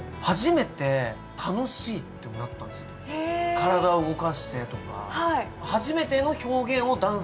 体を動かしてとか。